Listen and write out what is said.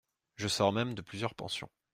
Je sors même de plusieurs pensions.